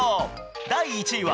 第１位は。